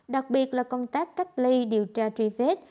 đặc biệt là công tác cách ly điều tra truy vết